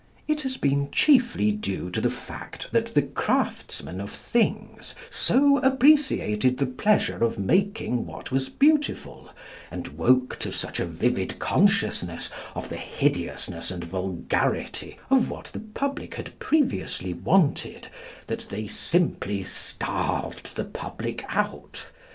It has been chiefly due to the fact that the craftsmen of things so appreciated the pleasure of making what was beautiful, and woke to such a vivid consciousness of the hideousness and vulgarity of what the public had previously wanted, that they simply starved the public out.